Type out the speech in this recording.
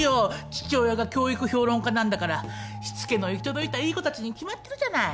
父親が教育評論家なんだから躾の行き届いたいい子たちに決まってるじゃない。